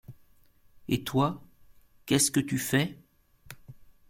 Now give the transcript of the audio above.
Et toi, qu’est-ce que tu fais?